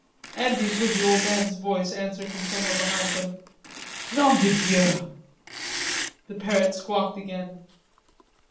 Andrews heard the old man's voice answer from somewhere behind him: "Nom de Dieu!" The parrot squawked again.